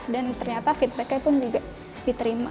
dan ternyata feedback nya pun juga diterima